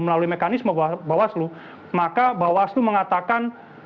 melalui mekanisme bawaslu maka bawaslu mengatakan